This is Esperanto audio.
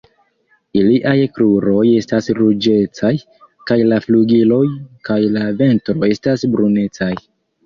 Iliaj kruroj estas ruĝecaj kaj la flugiloj kaj la ventro estas brunecaj.